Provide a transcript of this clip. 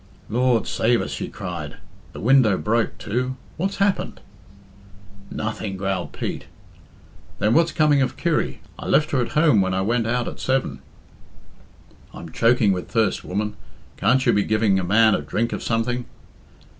"Lord save us!" she cried. "The window broke, too. What's happened?" "Nothing," growled Pete. "Then what's coming of Kirry? I left her at home when I went out at seven.". "I'm choking with thirst, woman. Can't you be giving a man a drink of something?"